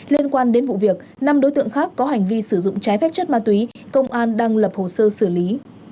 liên quan đến vụ việc năm đối tượng khác có hành vi sử dụng trái phép chất ma túy công an đang lập hồ sơ xử lý